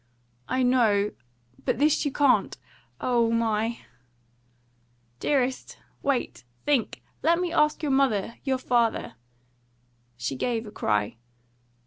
"I know! But this you can't. Oh, my " "Dearest! Wait! Think! Let me ask your mother your father " She gave a cry.